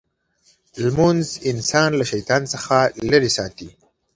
لمونځ انسان له شیطان څخه لرې ساتي.